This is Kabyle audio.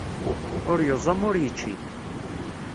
Ur yuẓam ur yečči.